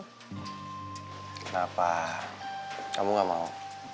kenapa kamu gak mau